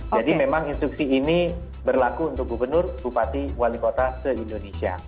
jadi memang instruksi ini berlaku untuk gubernur bupati wali kota di indonesia